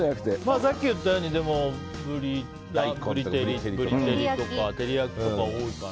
さっき言ったようにブリ照りとか照り焼きとか多いかな。